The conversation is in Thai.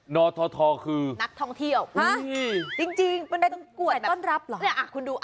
นอร์ทอทอคือนักท่องเที่ยวจริงมันเป็นต้นกวดแบบนี้คุณดู